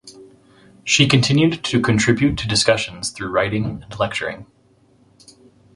She continued to contribute to discussions through writing and lecturing.